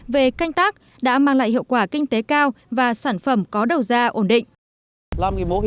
về canh tác đã mang lại hiệu quả kinh tế cao và sản phẩm có đầu ra ổn định